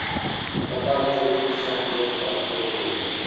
په دغه جګړو کې ځان ډېر خوار کړی دی.